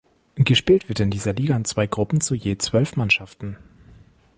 Gespielt wird in dieser Liga in zwei Gruppen zu je zwölf Mannschaften.